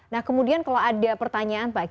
nah kemudian kalau ada pertanyaan pak